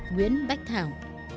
nguyễn bách thảo